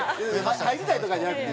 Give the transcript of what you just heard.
入りたいとかじゃなくて。